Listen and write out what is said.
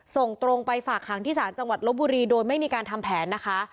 ส่งตรงไปฝากหางที่ศาลจังหวัดลบบุรีโดยไม่มีการทำแผนนะคะ